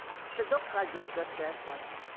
どこから上京していらしたの？